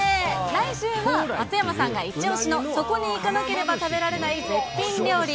来週は松山さんがイチオシのそこに行かなければ食べられない絶品料理。